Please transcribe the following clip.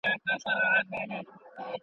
زما له ستوني سلامت سر دي ایستلی.